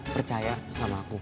percaya sama aku